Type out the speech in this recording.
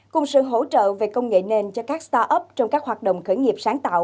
cùng sự hỗ trợ về công nghệ nền cho các start up trong các hoạt động khởi nghiệp sáng tạo